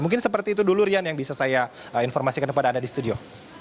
mungkin seperti itu dulu rian yang bisa saya informasikan kepada anda di studio